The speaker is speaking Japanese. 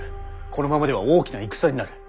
このままでは大きな戦になる。